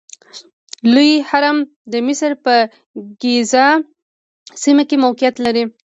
لوی هرم د مصر په ګیزا سیمه کې موقعیت لري.